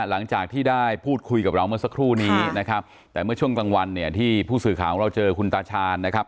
หลังจากที่ได้พูดคุยกับเราเมื่อสักครู่นี้นะครับแต่เมื่อช่วงกลางวันเนี่ยที่ผู้สื่อข่าวของเราเจอคุณตาชาญนะครับ